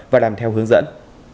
và làm theo hướng dẫn